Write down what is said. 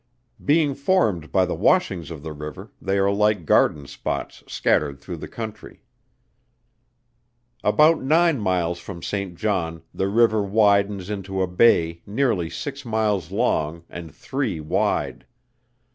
Being formed by the washings of the river, they are like garden spots scattered through the country. About nine miles from St. John the river widens into a bay nearly six miles long and three wide.